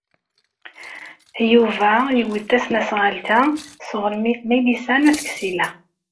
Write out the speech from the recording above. Yuba yewwi-d tasnasɣalt-a sɣur Milisa n At Ksila.